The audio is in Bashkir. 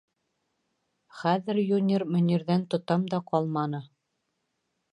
Хәҙер Юнир Мөнирҙән тотам да ҡалманы.